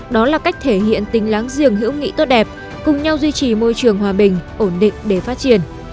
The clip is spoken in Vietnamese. đó là cách thể hiện tình láng giềng hữu nghị tốt đẹp cùng nhau duy trì môi trường hòa bình ổn định để phát triển